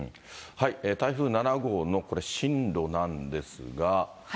台風７号のこれ、進路なんですが。